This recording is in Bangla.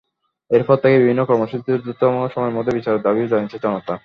এরপর থেকেই বিভিন্ন কর্মসূচিতে দ্রুততম সময়ের মধ্যে বিচারের দাবিও জানিয়েছে জনতা।